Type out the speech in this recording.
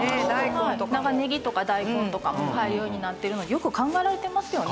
長ねぎとか大根とかも入るようになっているのでよく考えられていますよね。